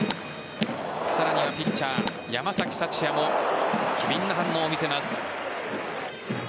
さらにはピッチャー・山崎福也も機敏な反応を見せます。